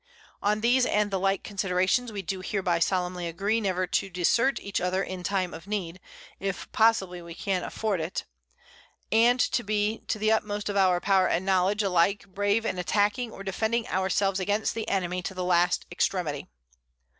_ _On these and the like Considerations we do hereby solemnly agree never to desert each other in time of Need, if possibly we can avoid it, and to be to the utmost of our Power and Knowledge alike brave in attacking or defending our selves against the Enemy to the last Extremity.